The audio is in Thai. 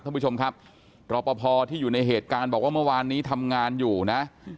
ท่านผู้ชมครับรอปภที่อยู่ในเหตุการณ์บอกว่าเมื่อวานนี้ทำงานอยู่นะ